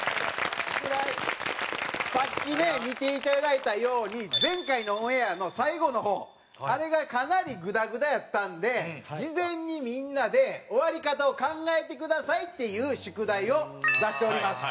さっきね見ていただいたように前回のオンエアの最後の方あれがかなりグダグダやったんで事前にみんなで終わり方を考えてくださいっていう宿題を出しております。